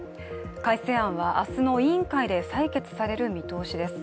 改正案は明日の委員会で採決される見通しです。